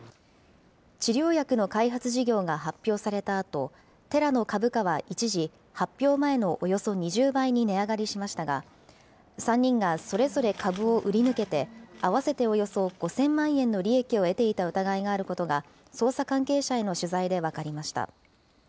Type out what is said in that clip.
治療薬の開発事業が発表されたあと、テラの株価は一時、発表前のおよそ２０倍に値上がりしましたが、３人がそれぞれ株を売り抜けて、合わせておよそ５０００万円の利益を得ていた疑いがあることが、捜査関係者への取材で分かりました。